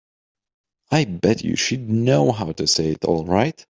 I bet you she'd know how to say it all right.